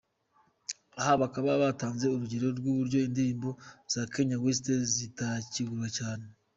Aha bakaba batanze urugero rw’uburyo indirimbo za Kanye West zitakigurwa cyane.